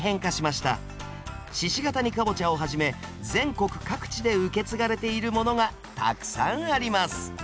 鹿ケ谷かぼちゃをはじめ全国各地で受け継がれているものがたくさんあります